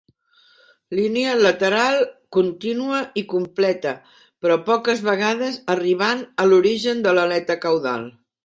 Línia lateral contínua i completa però poques vegades arribant a l'origen de l'aleta caudal.